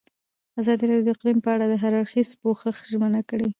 ازادي راډیو د اقلیم په اړه د هر اړخیز پوښښ ژمنه کړې.